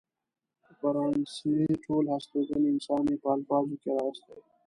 د فرانسې ټول هستوګن انسان يې په الفاظو کې راوستي.